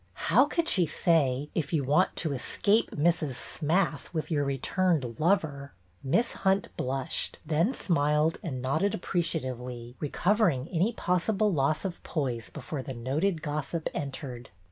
How could she say, " If you want to escape Mrs. Smath with your returned lover "? Miss Hunt blushed, then smiled and nodded appreciatively, recovering any possible loss of poise before the noted gossip entered.